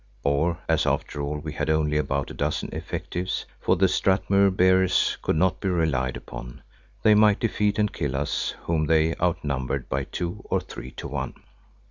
Or, as after all we had only about a dozen effectives, for the Strathmuir bearers could not be relied upon, they might defeat and kill us whom they outnumbered by two or three to one.